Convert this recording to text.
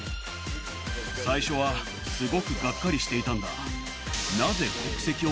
最初はすごくがっかりしていたんだ。